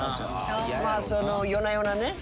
まあその夜な夜なね。